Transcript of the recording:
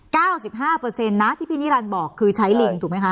เก้าสิบห้าเปอร์เซ็นต์นะที่พี่นิรันดิ์บอกคือใช้ลิงถูกไหมคะ